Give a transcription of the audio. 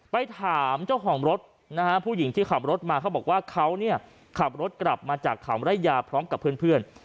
ไปถามผู้หญิงที่ขับรถมาเขาบอกว่าเขาขับรถกลับมาจากข่าวไล่ยาพร้อมกับเพื่อน